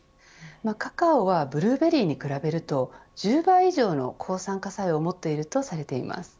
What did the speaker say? カカオはブルーベリーに比べると１０倍以上の抗酸化作用を持っているとされています。